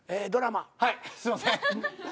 はいすいません。